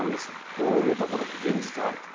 こういうところが現実、あるという。